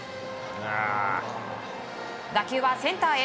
打球はセンターへ。